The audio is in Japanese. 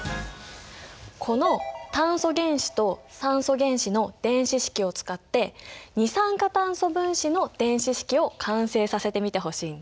この炭素原子と酸素原子の電子式を使って二酸化炭素分子の電子式を完成させてみてほしいんだ。